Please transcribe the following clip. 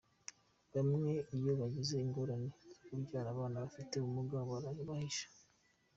Bamwe iyo bagize ingorane zo kubyara abana bafite ubumuga barabahisha.